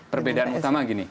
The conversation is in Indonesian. perbedaan utama gini